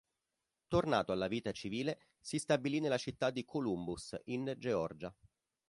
Tornato alla vita civile, si stabilì nella città di Columbus, in Georgia.